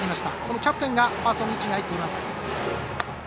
キャプテンがファーストの位置に入っています。